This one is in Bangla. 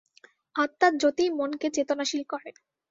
আত্মার জ্যোতিঃই মনকে চেতনাশীল করে।